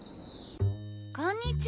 こんにちは！